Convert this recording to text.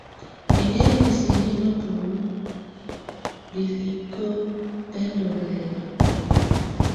Ɛnguɛŋɛ inisə yɛ nabulu bilikə bɛndɔ lɛla.